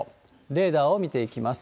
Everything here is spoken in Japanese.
レーダーを見ていきます。